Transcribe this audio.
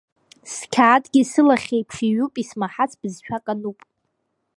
Сқьаадгьы сылахьеиԥш иҩуп, исмаҳац бызшәак ануп.